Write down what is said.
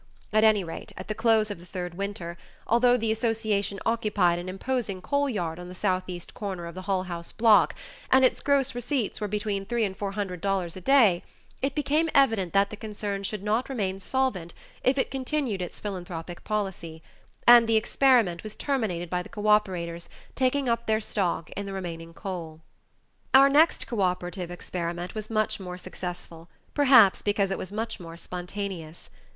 At any rate, at the close of the third winter, although the Association occupied an imposing coal yard on the southeast corner of the Hull House block and its gross receipts were between three and four hundred dollars a day, it became evident that the concern could not remain solvent if it continued its philanthropic policy, and the experiment was terminated by the cooperators taking up their stock in the remaining coal. Our next cooperative experiment was much more successful, perhaps because it was much more spontaneous.